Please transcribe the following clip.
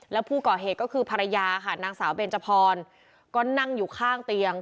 แล้วผู้ก่อเหตุก็คือภรรยาค่ะนางสาวเบนจพรก็นั่งอยู่ข้างเตียง